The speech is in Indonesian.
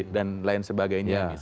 dan lain sebagainya